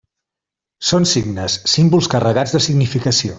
Són signes, símbols carregats de significació.